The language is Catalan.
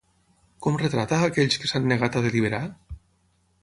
Com retrata a aquells que s'han negat a deliberar?